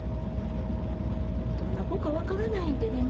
どんな子か分からないんでね